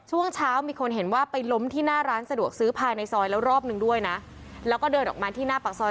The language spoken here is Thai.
ช่วงเช้ามีคนเห็นว่าไปล้มที่หน้าร้านสะดวกซื้อภายในซอยแล้วรอบนึงด้วยนะแล้วก็เดินออกมาที่หน้าปากซอย